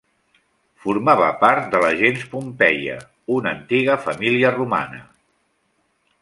Formava part de la gens Pompeia, una antiga família romana.